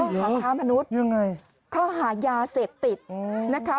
เฮ้ยยังไงข้อหายาเสพติดอืมนะคะ